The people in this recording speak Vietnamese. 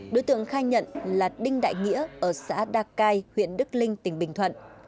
đối tượng khai nhận là đinh đại nghĩa ở xã đa cai huyện đức linh tỉnh bình thuận